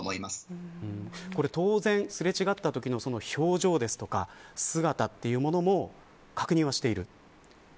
これ当然すれ違ったときの表情ですとか姿というものも確認はしている。